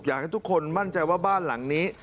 อยากให้ทุกคนมั่นใจว่าบ้านหลังนี้